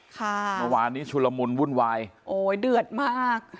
เมื่อวานนี้ชุลมุนวุ่นวายโอ้ยเดือดมาก